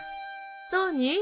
何？